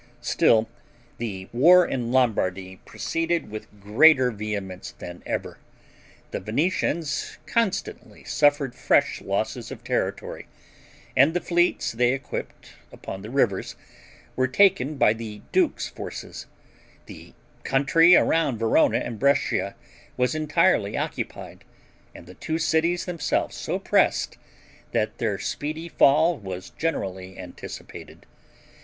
Still the war in Lombardy proceeded with greater vehemence than ever; the Venetians constantly suffered fresh losses of territory, and the fleets they equipped upon the rivers were taken by the duke's forces; the country around Verona and Brescia was entirely occupied, and the two cities themselves so pressed, that their speedy fall was generally anticipated.